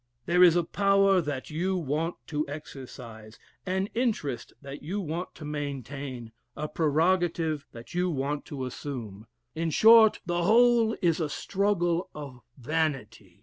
There is a power that you want to exercise, an interest that you want to maintain, a prerogative that you want to assume: in short, the whole is a struggle of vanity.